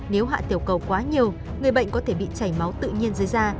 nếu hạ tiểu cầu quá nhiều người bệnh có thể bị chảy máu tự nhiên dưới da